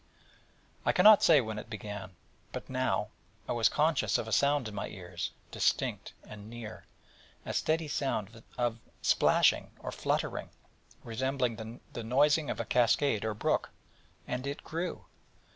I cannot say when it began, but now I was conscious of a sound in my ears, distinct and near, a steady sound of splashing, or fluttering, resembling the noising of a cascade or brook: and it grew.